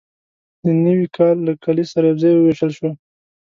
د نوي کال له کلیز سره یوځای وویشل شوه.